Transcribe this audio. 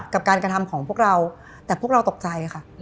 กับการกระทำของพวกเราแต่พวกเราตกใจค่ะ